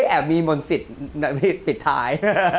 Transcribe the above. แอบมีมนตริศที่ผิดท้าย